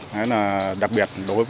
đặc biệt là các cơ quan doanh nghiệp